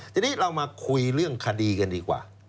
ทีนี้เรามาคุยเรื่องคดีกันดีกว่า